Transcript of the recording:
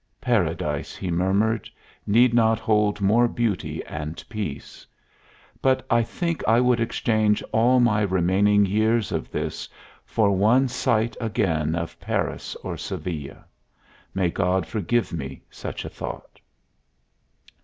"Paradise," he murmured, "need not hold more beauty and peace. But I think I would exchange all my remaining years of this for one sight again of Paris or Seville. May God forgive me such a thought!"